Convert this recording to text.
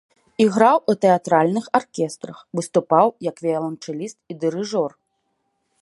Іграў у тэатральных аркестрах, выступаў як віяланчэліст і дырыжор.